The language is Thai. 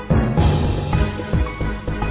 ไปในริเวณเธอก็กลัวนะครับ